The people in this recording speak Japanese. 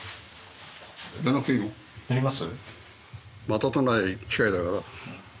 やります？